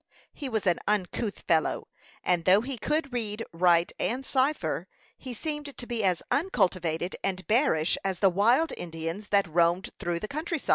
He was an uncouth fellow, and though he could read, write, and cipher, he seemed to be as uncultivated and bearish as the wild Indians that roamed through the country.